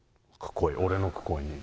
俺のくこいに？